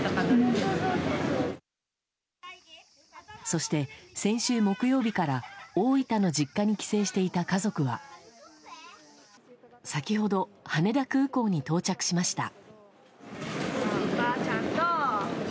そして、先週木曜日から大分の実家に帰省していた家族は先ほど羽田空港に到着しました。